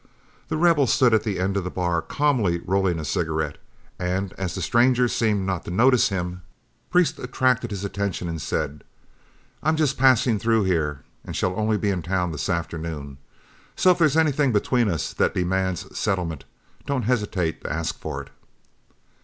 The Rebel stood at the end of the bar, calmly rolling a cigarette, and as the stranger seemed not to notice him, Priest attracted his attention and said, "I'm just passing through here, and shall only be in town this afternoon; so if there's anything between us that demands settlement, don't hesitate to ask for it."